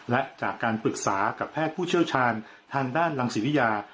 และจากการปรึกษากับแพทย์ผู้เชี่ยวชาญทางด้านรังศิริยา